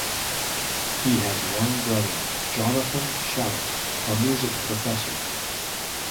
He has one brother, Jonathan Shallit, a music professor.